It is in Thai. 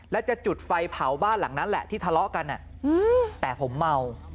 และจะจุดไฟเผาบ้านหลังนั้นแหละที่ทะเลาะกันแต่ผมเมา